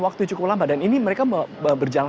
waktu cukup lama dan ini mereka berjalan